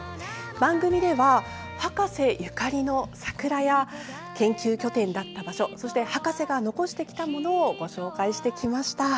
番組では、博士ゆかりの桜や研究拠点だった場所そして博士が残してきたものをご紹介してきました。